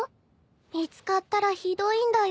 見つかったらひどいんだよ。